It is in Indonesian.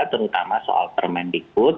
terutama soal permendikat